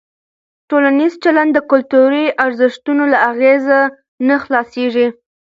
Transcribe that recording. ټولنیز چلند د کلتوري ارزښتونو له اغېزه نه خلاصېږي.